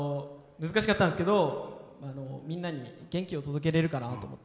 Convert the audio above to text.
難しかったんですけどみんなに元気を届けられるかなと思って。